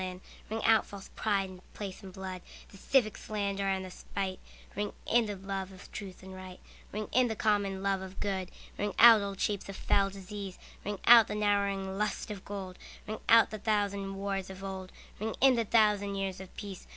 Ring out false pride in place and blood, The civic slander and the spite; Ring in the love of truth and right, Ring in the common love of good. Ring out old shapes of foul disease, Ring out the narrowing lust of gold; Ring out the thousand wars of old, Ring in the thousand years of peace.